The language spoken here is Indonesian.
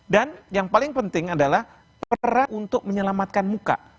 dan yang paling penting adalah perang untuk menyelamatkan muka